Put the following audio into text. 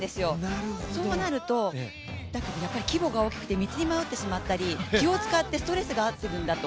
そうなると、だけどやっぱり規模が大きくて、道に迷ってしまったり気を遣ってストレスがあるんだと。